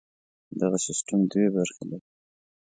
دغه سیستم دوې برخې لري.